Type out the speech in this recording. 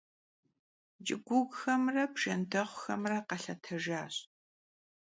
Ç'ıguuguxemre bjjendexhuxemre khelhetejjaş.